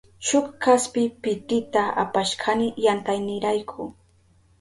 Shuk kaspi pitita apashkani yantaynirayku.